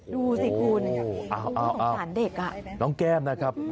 ดูสิคุณไม่ต้องขาดเด็กอ่ะอ่าน้องแก้มนะครับ